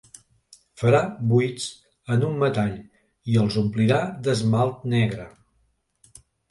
Farà buits en un metall i els omplirà d'esmalt negre.